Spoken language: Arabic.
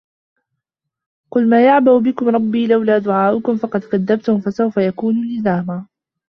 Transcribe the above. قُل ما يَعبَأُ بِكُم رَبّي لَولا دُعاؤُكُم فَقَد كَذَّبتُم فَسَوفَ يَكونُ لِزامًا